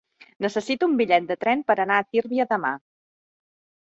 Necessito un bitllet de tren per anar a Tírvia demà.